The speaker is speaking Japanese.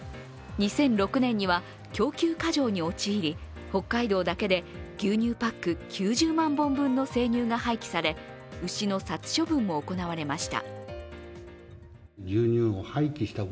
２００６年には供給過剰に陥り、北海道だけで、牛乳パック９０万本分の生乳が廃棄され、牛の殺処分も行われました。